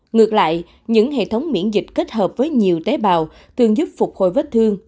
ngược lại những hệ thống miễn dịch kết hợp với nhiều tế bào thường giúp phục hồi vết thương